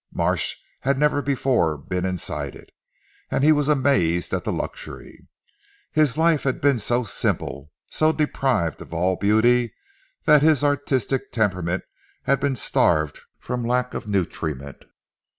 Marsh had never before been inside it, and he was amazed at the luxury. His life had been so simple, so deprived of all beauty, that his artistic temperament had been starved from lack of nutriment.